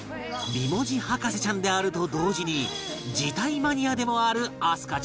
美文字博士ちゃんであると同時に字体マニアでもある明日香ちゃん